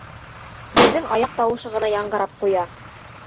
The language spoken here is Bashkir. Беҙҙең аяҡ тауышы ғына яңғырап ҡуя.